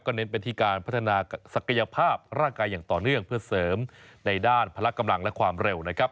เน้นไปที่การพัฒนาศักยภาพร่างกายอย่างต่อเนื่องเพื่อเสริมในด้านพลักกำลังและความเร็วนะครับ